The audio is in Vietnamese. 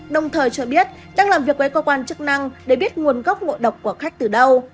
đồng thời cho biết đang làm việc với cơ quan chức năng để biết nguồn gốc ngộ độc của khách từ đâu